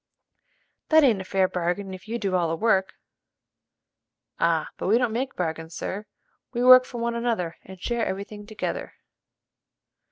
"That ain't a fair bargain if you do all the work." "Ah, but we don't make bargains, sir: we work for one another and share every thing together."